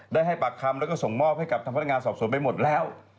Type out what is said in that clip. ได้ให้ปากคำแล้วก็ส่งมอบให้กับทำพันธงาสอบโสนไปหมดแล้ว